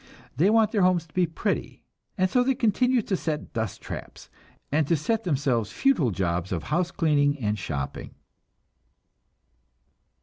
They want their homes to be "pretty," and so they continue to set dust traps, and to set themselves futile jobs of house cleaning and shopping.